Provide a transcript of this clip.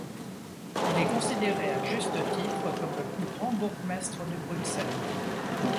Il est considéré à juste titre comme le plus grand bourgmestre de Bruxelles.